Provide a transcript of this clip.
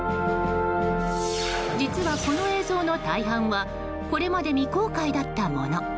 実は、この映像の大半はこれまで未公開だったもの。